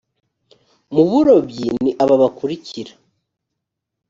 mu burobyi ni aba bakurikira